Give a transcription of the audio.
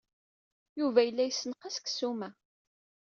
Yuba yella yessenqas deg ssuma.